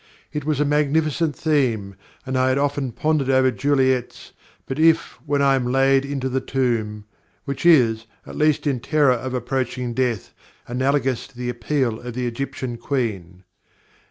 It was a magnificent theme, and I had often pondered over Juliet's 'But if, when I am laid into the tomb,' which is, at least in terror of approaching death, analogous to the appeal of the Egyptian Queen."